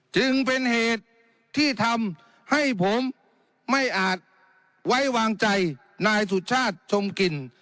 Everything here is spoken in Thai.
จึงเป็นเหตุที่ทำให้ผมไม่อาจไว้วางใจนายสุชาติชมกลิ่น